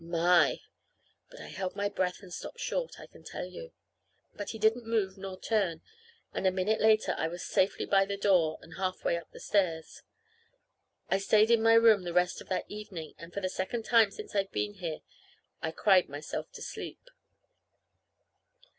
My! But I held my breath and stopped short, I can tell you. But he didn't move nor turn, and a minute later I was safely by the door and halfway up the stairs. I stayed in my room the rest of that evening; and for the second time since I've been here I cried myself to sleep.